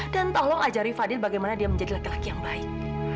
dan tolong ajari fadil bagaimana dia menjadi laki laki yang baik